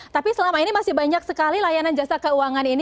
tapi selama ini masih banyak sekali layanan jasa keuangan ini